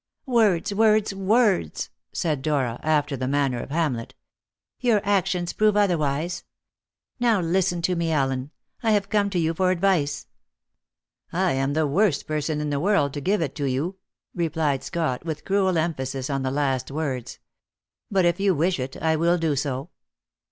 "Words, words, words!" said Dora, after the manner of Hamlet. "Your actions prove otherwise. Now listen to me, Allen: I have come to you for advice." "I am the worst person in the world to give it to you," replied Scott, with cruel emphasis on the last words. "But if you wish it, I will do so."